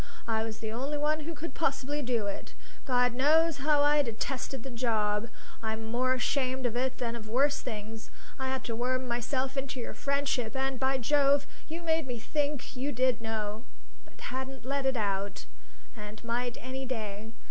I was the only one who could possibly do it. God knows how I detested the job! I'm more ashamed of it than of worse things. I had to worm myself into your friendship; and, by Jove, you made me think you did know, but hadn't let it out, and might any day.